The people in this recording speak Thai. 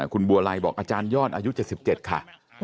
คุณบัวไลบอกอาจารยอดอายุ๗๗ค่ะ